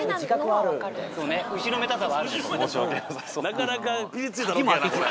なかなかぴりついたロケやなこれ。